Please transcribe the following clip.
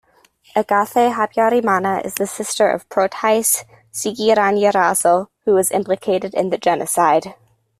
Agathe Habyarimana is the sister of Protais Zigiranyirazo, who was implicated in the genocide.